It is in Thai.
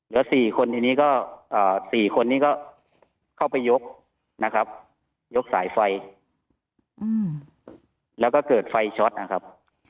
เหลือ๔คนนี้ก็เข้าไปยกนะครับยกสายไฟแล้วก็เกิดไฟช็อตนะครับ